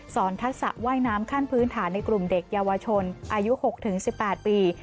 สอนทักษะว่ายน้ำขั้นพื้นฐานในกลุ่มเด็กยาวชนอายุหกถึงสิบแปดปี